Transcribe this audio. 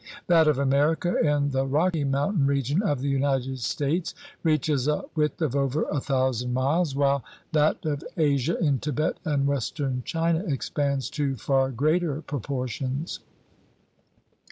That of America in the Rocky Mountain region of the United States reaches a width of over a thousand miles, while THE FORM OF THE CONTINENT 41 that of Asia in Tibet and western China expands to far greater proportions.